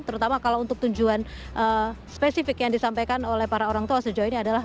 terutama kalau untuk tujuan spesifik yang disampaikan oleh para orang tua sejauh ini adalah